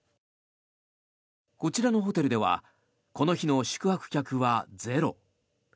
こちらのホテルではこの日の宿泊客はゼロ。